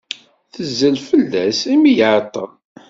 Tezzem fell-as imi ay iɛeḍḍel.